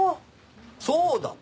そうだ。